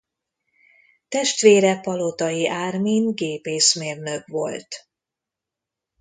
Testvére Palotai Ármin gépészmérnök volt.